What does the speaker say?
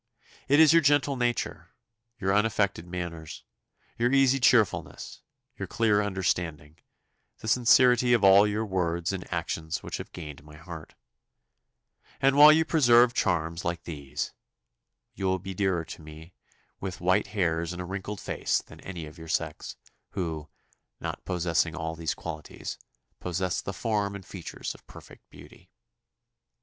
It is your gentle nature, your unaffected manners, your easy cheerfulness, your clear understanding, the sincerity of all your words and actions which have gained my heart; and while you preserve charms like these, you will be dearer to me with white hairs and a wrinkled face than any of your sex, who, not possessing all these qualities, possess the form and features of perfect beauty.